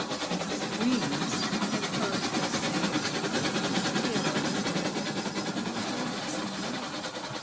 In his dreams he had heard her say, "Dear old Derek — I'm afraid it's No.